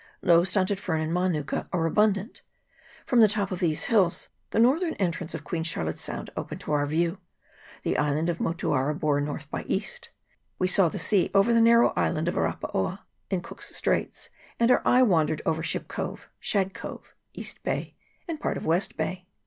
Low stunted fern and manuka are abun dant. From the top of these hills the northern entrance of Queen Charlotte's Sound opened to our view. The island of Motuara bore north by east. We saw the sea over the narrow island of Arapaoa in Cook's Straits, and our eye wandered over Ship Cove, Shag Cove, East Bay, and part of West Bay.